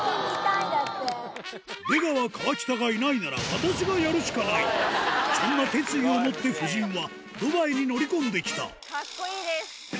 出川河北がいないならそんな決意を持って夫人はドバイに乗り込んできた格好いいです。